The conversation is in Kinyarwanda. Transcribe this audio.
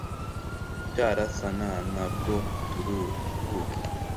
Tura cya rasa nta ntabwo turuhuka